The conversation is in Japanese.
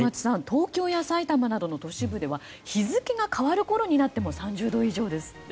東京や埼玉などの都市部では日付が変わるころになっても３０度以上ですって。